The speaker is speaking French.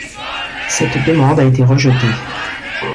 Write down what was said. Cette demande a été rejetée.